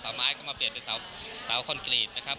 ไม้ก็มาเปลี่ยนเป็นสาวคอนกรีตนะครับ